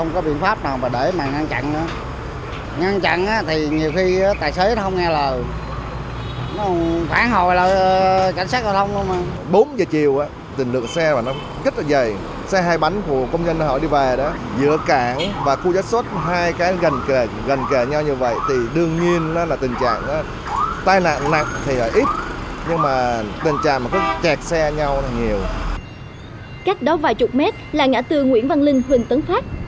cách đó vài chục mét là ngã tư nguyễn văn linh huỳnh tấn pháp